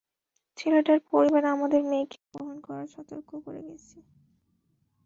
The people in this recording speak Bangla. ছেলেটার পরিবার আমাদের মেয়েকে অপহরণ করার সর্তক করে গেছে।